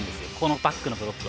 バックのブロックは。